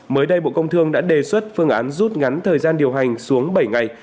mới đây bộ công thương đã đề xuất phương án rút ngắn thời gian điều hành xuống bảy ngày